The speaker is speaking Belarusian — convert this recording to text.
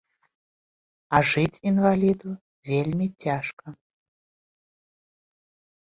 А жыць інваліду вельмі цяжка.